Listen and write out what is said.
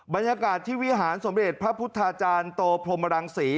บรรยากาศที่วิหารสมเด็จพระพุทธาจารย์โตพรมรังศรี